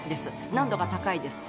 難度が高いです。